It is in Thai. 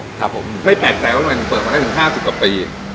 ไม่แปดใจว่าเปิดมาได้ถึง๕๐กว่าปี